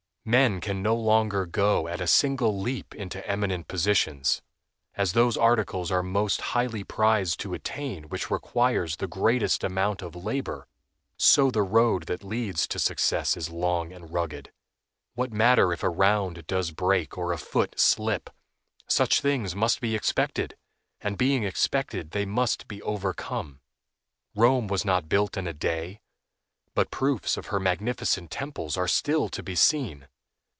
Men can no longer go at a single leap into eminent positions. As those articles are most highly prized to attain which requires the greatest amount of labor, so the road that leads to success is long and rugged. What matter if a round does break or a foot slip; such things must be expected, and being expected, they must be overcome. Rome was not built in a day; but proofs of her magnificent temples are still to be seen.